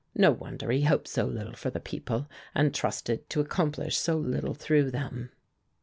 No wonder he hoped so little for the people, and trusted to accomplish so little through them."